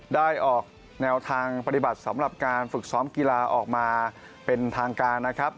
ได้ออกแนวทางปฏิบัติสำหรับการฝึกซ้อมกีฬาออกมาเป็นทางการนะครับ